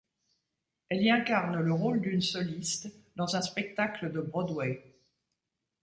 Elle y incarne le rôle d'une soliste dans un spectacle de Broadway.